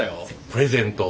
プレゼント